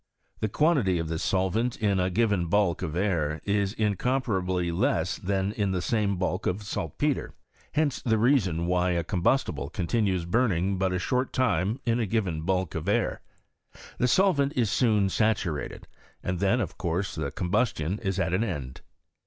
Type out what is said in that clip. The quantity of this solvent in a given bulk of air is incomparably less than in the same bulk of saltpetre. Hence the reason why a combustible continues burning but a short time in a given bulk of air : the solvent is soon saturated, and then of course the combustion is at an end.